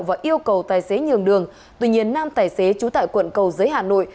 và yêu cầu tài xế nhường đường tuy nhiên năm tài xế chú tại quận cầu giới hà nội